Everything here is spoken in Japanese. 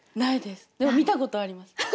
でも見たことあります。